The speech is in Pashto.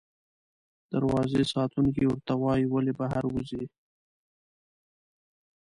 دروازې ساتونکی ورته وایي، ولې بهر وځې؟